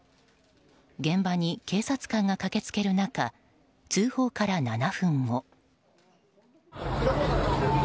現場に警察官が駆け付ける中通報から７分後。